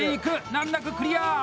難なくクリア！